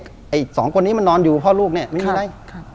ไอ้สองคนนี้มันนอนอยู่พ่อลูกเนี่ยไม่มีอะไร